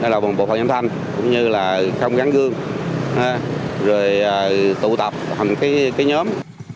là bộ phận nhóm thanh cũng như là không gắn gương rồi tụ tập thành cái nhóm